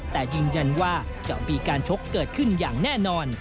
แต่ยืนยันว่าจะมีการชกเกิดขึ้นอย่างแน่นอน